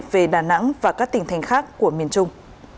về đà nẵng và các tỉnh thành khác của miền trung